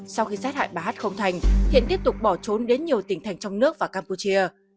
sau khi sát hại bà hát không thành hiện tiếp tục bỏ trốn đến nhiều tỉnh thành trong nước và campuchia